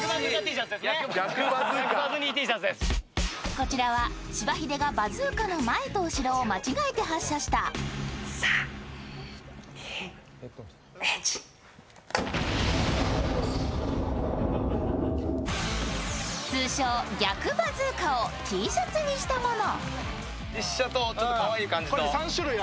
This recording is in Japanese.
こちらは、しばひでがバズーカの前と後ろを間違えて発射した通称・逆バズーカをＴシャツにしたもの。